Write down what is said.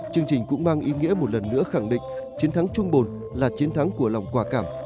chương trình cũng mang ý nghĩa một lần nữa khẳng định chiến thắng trung bồn là chiến thắng của lòng quả cảm